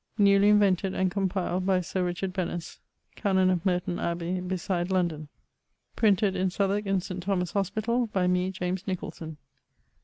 ✠ Newlye invented and compiled by Syr Rycharde Benese, chanon of Marton Abbay besyde London. ¶ Printed in Southwarke in Saint Thomas hospital by me James Nicolson.